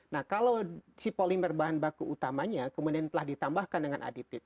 nah kalau si polimer bahan baku utamanya kemudian telah ditambahkan dengan adit